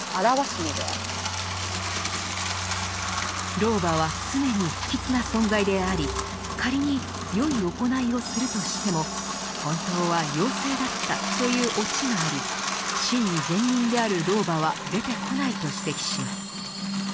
老婆は常に不吉な存在であり仮によい行いをするとしても本当は妖精だったというオチがあり真に善人である老婆は出てこないと指摘します。